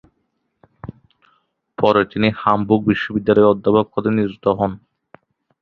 পরে তিনি হামবুর্গ বিশ্ববিদ্যালয়ে অধ্যাপক পদে নিযুক্ত হন।